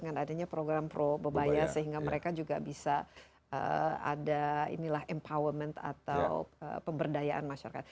dengan adanya program pro bebaya sehingga mereka juga bisa ada empowerment atau pemberdayaan masyarakat